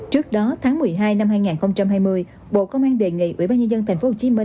trước đó tháng một mươi hai năm hai nghìn hai mươi bộ công an đề nghị ủy ban nhân dân tp hcm